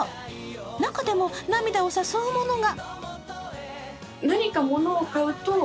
中でも、涙を誘うものが。